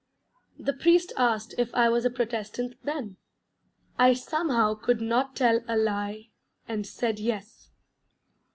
The Priest asked if I was a Protestant then. I somehow could not tell a lie, and said yes.